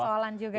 ini persoalan juga